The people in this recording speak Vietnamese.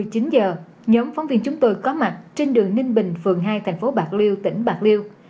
một mươi chín h nhóm phóng viên chúng tôi có mặt trên đường ninh bình phường hai tp bạc liêu tỉnh bạc liêu